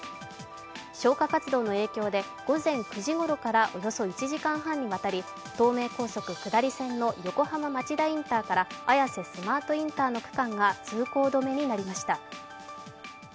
消火活動の影響で午前９時ごろからおよそ１時間半にわたり東名高速下り線の横浜町田インターから綾瀬スマートインターの区間が通行止めになりました。